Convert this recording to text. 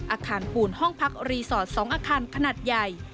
อาคารปูนห้องพักรีสอร์ท๒อาคารขนาดใหญ่